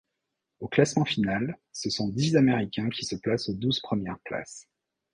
Au classement final, ce sont dix Américains qui se placent aux douze premières places.